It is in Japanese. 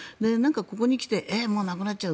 ここに来てえっ、もうなくなっちゃう